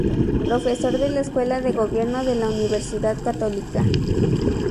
Profesor de la Escuela de Gobierno de la Universidad Católica.